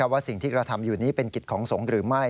ว่าสิ่งที่กระทำอยู่นี้เป็นกิจของสงฆ์หรือไม่